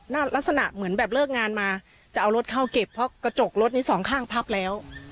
ลักษณะเหมือนแบบเลิกงานมาจะเอารถเข้าเก็บเพราะกระจกรถนี้สองข้างพับแล้ว